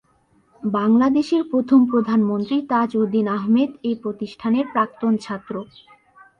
বাংলাদেশের প্রথম প্রধানমন্ত্রী তাজউদ্দীন আহমেদ এই প্রতিষ্ঠানের প্রাক্তন ছাত্র।